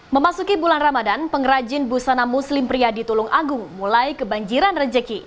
memasuki bulan ramadan pengrajin busana muslim pria di tulung agung mulai kebanjiran rejeki